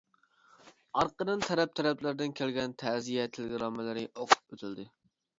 ئارقىدىن تەرەپ-تەرەپلەردىن كەلگەن تەزىيە تېلېگراممىلىرى ئوقۇپ ئۆتۈلدى.